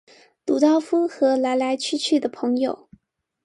魯道夫和來來去去的朋友